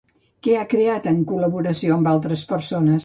Què ha creat, en col·laboració amb altres persones?